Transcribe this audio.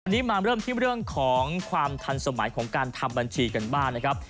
นี่มาเริ่มที่เรื่องของความทันสมัยของการทำบัญชีกันบ้างนะครับ